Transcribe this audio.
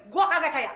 gue gak percaya